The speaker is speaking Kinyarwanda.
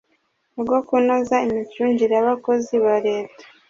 rwo kunoza imicungire y Abakozi ba Leta